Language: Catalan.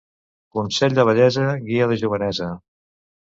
Consell de vellesa, guia de jovenesa.